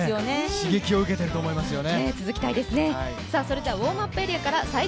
刺激を受けていると思いますよね。